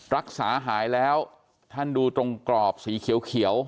รักษาหายแล้วท่านดูตรงกรอบสีเขียว